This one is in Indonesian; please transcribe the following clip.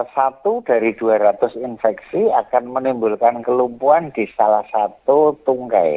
satu dari dua ratus infeksi akan menimbulkan kelumpuan di salah satu tunggai